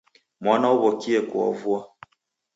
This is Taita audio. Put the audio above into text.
Mwana waw'okie kuavua.